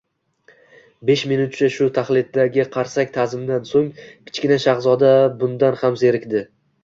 Besh minutcha shu taxlitdagi qarsak-ta’zimdan so‘ng Kichkina shahzoda bundan ham zerikdi.